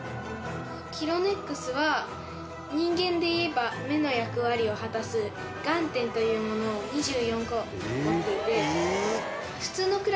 キロネックスは人間でいえば目の役割を果たす眼点というものを２４個持っていて。